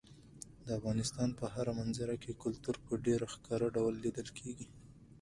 د افغانستان په هره منظره کې کلتور په ډېر ښکاره ډول لیدل کېږي.